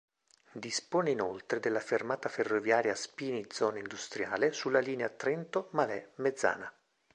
Dispone inoltre della fermata ferroviaria Spini-Zona Industriale sulla linea Trento-Malé-Mezzana.